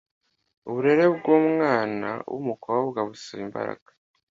uburere bwumwana wumukobwa busaba imbaraga.